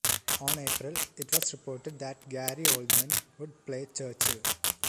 On April, it was reported that Gary Oldman would play Churchill.